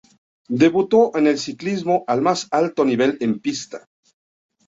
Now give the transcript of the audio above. Debutó en el ciclismo al más alto nivel en pista.